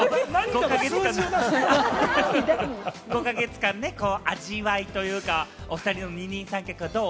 ５か月間、味わいというか、おふたりの二人三脚、どう？